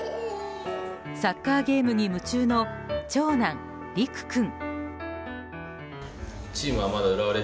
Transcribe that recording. サッカーゲームに夢中の長男・理玖君。